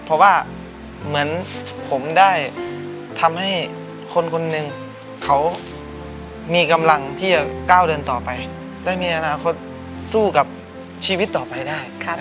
เพราะว่าเหมือนผมได้ทำให้คนคนหนึ่งเขามีกำลังที่จะก้าวเดินต่อไปได้มีอนาคตสู้กับชีวิตต่อไปได้